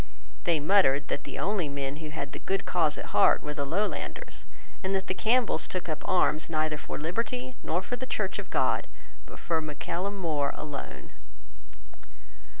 They muttered that the only men who had the good cause at heart were the Lowlanders, and that the Campbells took up arms neither for liberty nor for the Church of God, but for Mac Callum More alone.